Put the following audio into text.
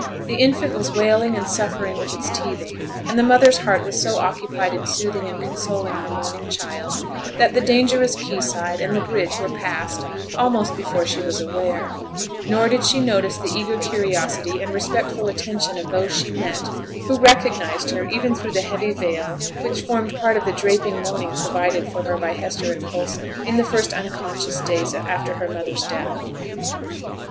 The infant was wailing and suffering with its teething, and the mother's heart was so occupied in soothing and consoling her moaning child, that the dangerous quay side and the bridge were passed almost before she was aware; nor did she notice the eager curiosity and respectful attention of those she met who recognized her even through the heavy veil which formed part of the draping mourning provided for her by Hester and Coulson, in the first unconscious days after her mother's death.